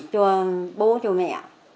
cho bố cho mẹ